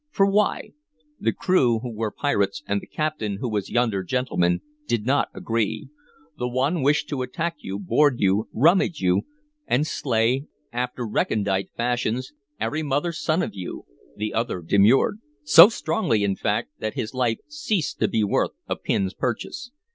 For why? The crew, who were pirates, and the captain, who was yonder gentleman, did not agree. The one wished to attack you, board you, rummage you, and slay, after recondite fashions, every mother's son of you; the other demurred, so strongly, in fact, that his life ceased to be worth a pin's purchase.